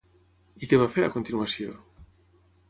I què va fer, a continuació?